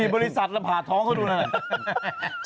บริษัทถึงมาผ่าท้องเข้าหน่อย